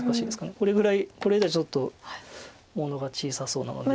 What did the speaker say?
これぐらいこれじゃちょっと物が小さそうなので。